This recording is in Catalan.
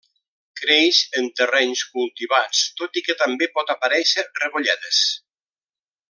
Creix en terrenys cultivats, tot i que també pot aparèixer rebolledes.